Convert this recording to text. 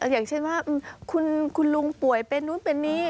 อย่างเช่นว่าคุณลุงป่วยเป็นนู้นเป็นนี้